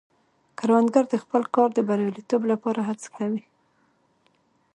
کروندګر د خپل کار د بریالیتوب لپاره هڅه کوي